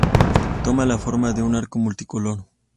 Toma la forma de un arco multicolor.